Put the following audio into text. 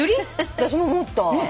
私も思った。